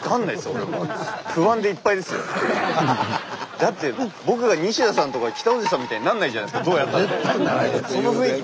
だって僕が西田さんとか北大路さんみたいになんないじゃないですかどうやったって。